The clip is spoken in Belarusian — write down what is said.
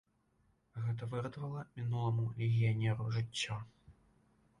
Гэта выратавала мінуламу легіянеру жыццё.